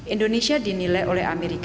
indonesia dinilai oleh amerika